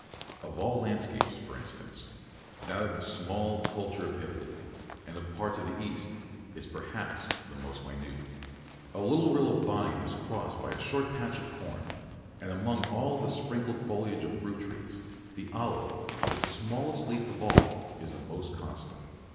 Of all landscape, for instance, that of the small culture of Italy and of parts of the East is, perhaps, the most minute. A little rill of vine is crossed by a short patch of corn, and among all the sprinkled foliage of fruit trees, the olive, with the smallest leaf of all, is the most constant.